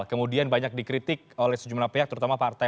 kemudian banyak dikritik oleh sejumlah pihak terutama partai